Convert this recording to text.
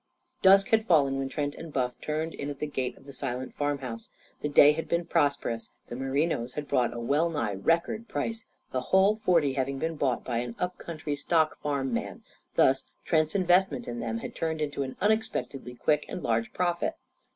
Dusk had fallen when Trent and Buff turned in at the gate of the silent farmhouse. The day had been prosperous. The merinos had brought a well nigh record price the whole forty having been bought by an up country stock farm man. Thus, Trent's investment in them had turned into an unexpectedly quick and large profit.